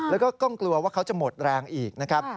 แล้วก็กล้องกลัวว่าเขาจะหมดแรงอีกนะครับ